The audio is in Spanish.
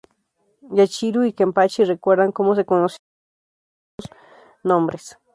Yachiru y Kenpachi recuerdan como se conocieron y obtuvieron sus nombres.